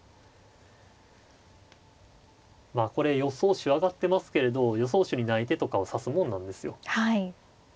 まあこれ予想手挙がってますけれど予想手にない手とかを指すもんなんですよ。